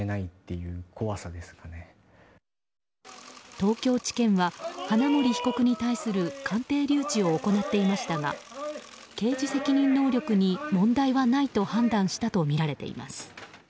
東京地検は花森被告に対する鑑定留置を行っていましたが刑事責任能力に問題はないと判断したとみられています。